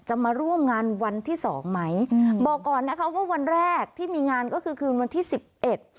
มาร่วมงานวันที่สองไหมอืมบอกก่อนนะคะว่าวันแรกที่มีงานก็คือคืนวันที่สิบเอ็ด